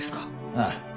ああ。